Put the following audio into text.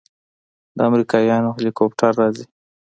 د امريکايانو هليكاپټر راځي.